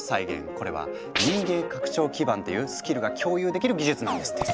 これは「人間拡張基盤」っていうスキルが共有できる技術なんですって。